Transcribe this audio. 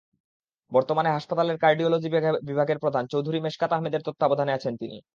বর্তমানে হাসপাতালের কার্ডিওলজি বিভাগের প্রধান চৌধুরী মেশকাত আহমেদের তত্ত্বাবধানে আছেন তিনি।